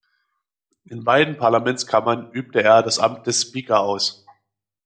In beiden Parlamentskammern übte er das Amt des Speaker aus.